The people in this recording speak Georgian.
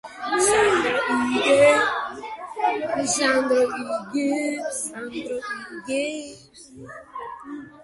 სამხრეთ-დასავლეთიდან ჩრდილო-აღმოსავლეთისაკენ მთელ პროვინციას კვეთავს მდინარე ოგოუე.